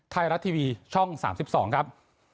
ไทยรัฐทีวีช่อง๓๒ครับ